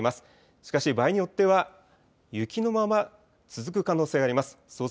しかし場合によっては雪のまま続く可能性があります。